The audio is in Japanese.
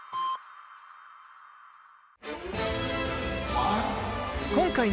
ああ。